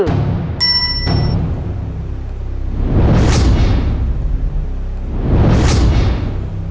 ชิซุกะไม่ถนัด